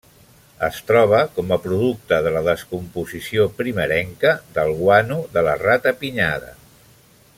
Es troba com a producte de la descomposició primerenca del guano de la ratapinyada.